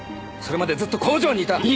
それまでずっと工場にいた！